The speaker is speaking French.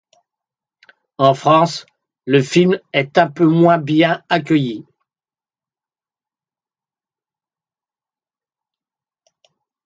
En France, le film est un peu moins bien accueilli.